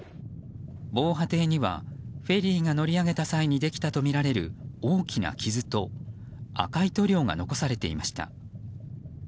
防波堤にはフェリーが乗り上げた際にできたとみられる大きな傷と赤い塗料が残されていました。